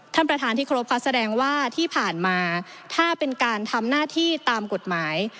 ท่านประธานที่ครบค่ะแสดงว่าที่ผ่านมาถ้าเป็นการทำหน้าที่ตามกฎหมาย